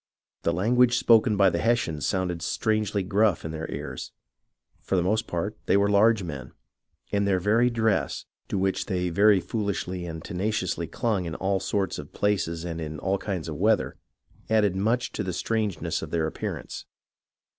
The language spoken by the Hessians sounded strangely gruff in their ears. For the most part, they were large men, and their very dress, to which they very foolishly and tenaciously clung in all sorts of places and in all kinds of weather, added much to the strangeness of their appear ance.